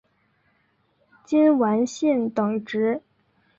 金丸信等职。